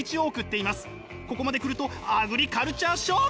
ここまで来るとアグリカルチャーショック！